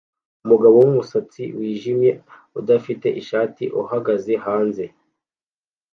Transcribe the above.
Umugabo wumusatsi wijimye udafite ishati uhagaze hanze